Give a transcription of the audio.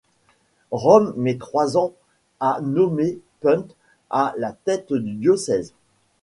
Rome met trois ans à nommer Punt à la tête du diocèse.